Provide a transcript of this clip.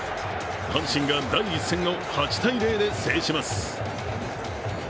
阪神が第１戦を８−０で制します。